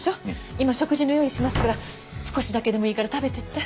今食事の用意しますから少しだけでもいいから食べていって。